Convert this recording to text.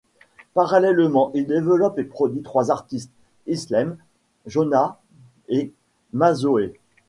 Parallèlement il développe et produit trois artistes, Isleym, Jonah et Masoe.